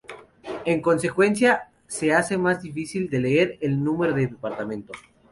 En consecuencia, se hace más difícil de leer el número de departamento.